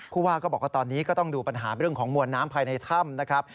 ผู้ว่าก็บอกว่าตอนนี้ก็ต้องดูปัญหาเรื่องของมวลน้ำภายในถ้ำนะครับ